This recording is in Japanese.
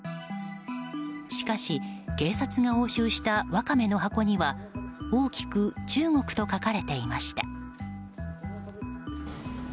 しかし、警察が押収したワカメの箱には大きく「中国」と書かれていました。